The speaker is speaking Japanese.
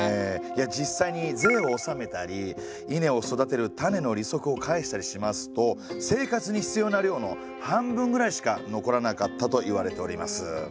実際に税を納めたり稲を育てる種の利息を返したりしますと生活に必要な量の半分ぐらいしか残らなかったといわれております。